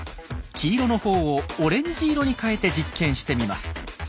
黄色のほうをオレンジ色にかえて実験してみます。